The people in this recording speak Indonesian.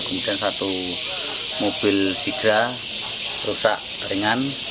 kemudian satu mobil sidra rusak ringan